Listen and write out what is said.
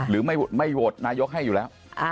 หรือไม่โหวตนายกให้อยู่แล้ว